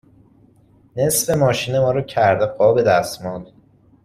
نصف ماشین ما رو کرده قاب دستمال؟